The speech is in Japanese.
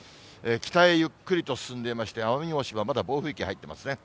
北へゆっくりと進んでいまして、奄美大島、まだ暴風域に入ってますね。